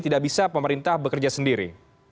tidak bisa pemerintah bekerja sendiri